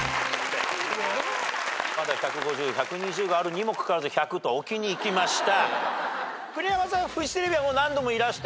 まだ１５０１２０があるにもかかわらず１００と置きにいきました。